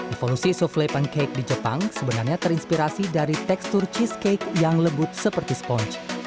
evolusi softle pancake di jepang sebenarnya terinspirasi dari tekstur cheesecake yang lembut seperti sponge